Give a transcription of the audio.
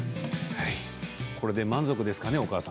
これで満足ですかね、お母様。